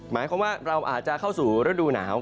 หมายความว่าเราอาจจะเข้าสู่ฤดูหนาว